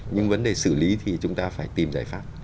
nhưng vấn đề xử lý thì chúng ta phải tìm giải pháp